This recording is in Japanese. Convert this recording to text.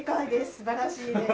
素晴らしいです。